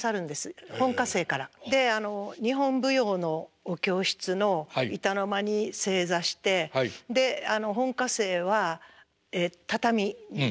で日本舞踊のお教室の板の間に正座してで本科生は畳に座って。